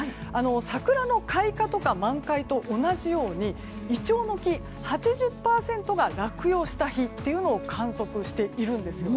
桜の開花とか満開と同じようにイチョウの木、８０％が落葉した日というのを観測しているんですね。